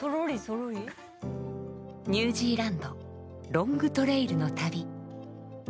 ニュージーランドロングトレイルの旅。